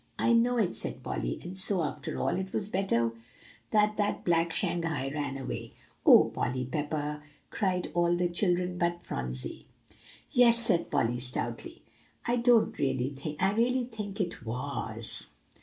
"I know it," said Polly. "And so, after all, it was better that that black Shanghai ran away." "O Polly Pepper!" cried all the children but Phronsie. "Yes," said Polly stoutly; "I really think it was.